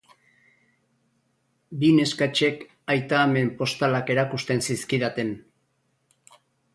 Bi neskatxek aita-amen postalak erakusten zizkidaten.